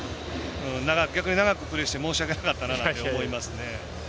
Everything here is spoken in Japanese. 逆に長くプレーして申し訳なかったなと思います。